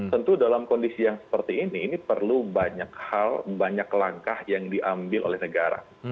tentu dalam kondisi yang seperti ini ini perlu banyak hal banyak langkah yang diambil oleh negara